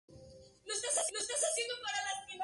Anteriormente se venía usando la denominación Bi-Power.